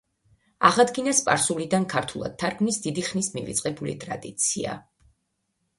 აღადგინა სპარსულიდან ქართულად თარგმნის დიდი ხნის მივიწყებული ტრადიცია.